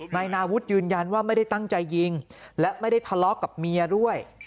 นายนาวุฒิยืนยันว่าไม่ได้ตั้งใจยิงและไม่ได้ทะเลาะกับเมียด้วย